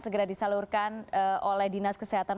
segera disalurkan oleh dinas kesehatan